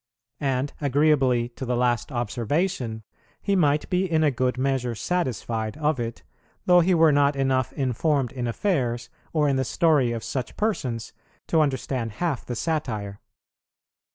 And, agreeably to the last observation, he might be in a good measure satisfied of it, though he were not enough informed in affairs, or in the story of such persons, to understand half the satire.